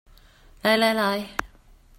來來來